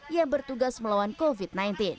yang bertugas melawan covid sembilan belas